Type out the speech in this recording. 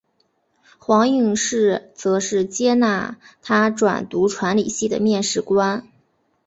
黄应士则是接纳他转读传理系的面试官。